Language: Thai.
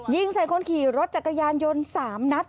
ยิงใส่คนขี่รถจักรยานยนต์๓นัด